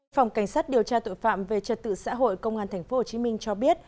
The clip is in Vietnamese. phòng cảnh sát điều tra tội phạm về trật tự xã hội công an tp hcm cho biết